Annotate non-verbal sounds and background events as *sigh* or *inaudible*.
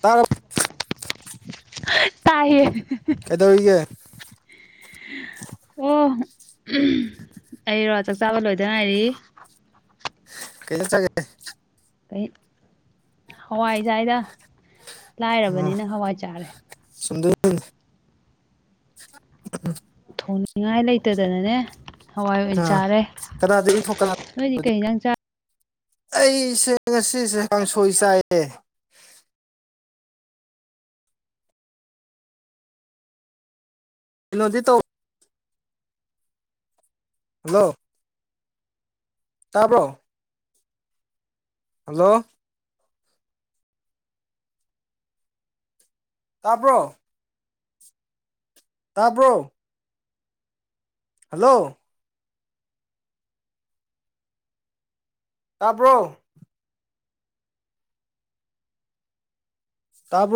ꯇꯥꯔ ꯇꯥꯏꯦ ꯀꯩꯗꯧꯔꯤꯒꯦ ꯑꯣ ꯑꯩꯔ ꯆꯥꯛ ꯆꯥꯕ ꯂꯣꯏꯗꯅ ꯉꯥꯏꯔꯤ ꯀꯩꯂ ꯆꯒꯦ ꯀꯩ ꯍꯋꯥꯏꯖꯏꯗ ꯂꯥꯏꯔꯕꯅꯤꯅ ꯍꯋꯥꯏ ꯆꯥꯔꯦ ꯁꯗ *unintelligible* ꯎ *unintelligible* ꯊꯣꯡꯅꯤꯡꯉꯥꯏ ꯂꯩꯇꯗꯅꯅꯦ ꯍꯋꯥꯏ ꯑꯣꯏꯅꯏ ꯑꯥ ꯆꯥꯔꯦ ꯀꯅꯥꯗꯒꯤ ꯀꯅꯥ ꯅꯣꯏꯗꯤ ꯀꯩ ꯏꯟꯁꯥꯡ ꯑꯩꯁꯦ ꯉꯁꯤꯁꯦ ꯀꯥꯡꯁꯣꯏ ꯆꯥꯏꯌꯦ ꯀꯩꯅꯣꯗꯤ ꯇꯧ ꯍꯜꯂꯣ ꯇꯥꯕ꯭ꯔꯣ ꯍꯜꯂꯣ ꯇꯥꯕ꯭ꯔꯣ ꯇꯥꯕ꯭ꯔꯣ ꯍꯜꯂꯣ ꯇꯥꯕ꯭ꯔꯣ ꯇꯥꯕꯔꯣ